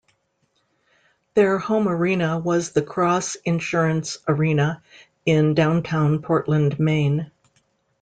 Their home arena was the Cross Insurance Arena in downtown Portland, Maine.